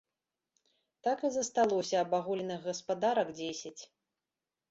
Так і засталося абагуленых гаспадарак дзесяць.